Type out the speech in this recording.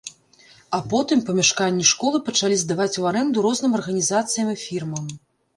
А потым памяшканні школы пачалі здаваць у арэнду розным арганізацыям і фірмам.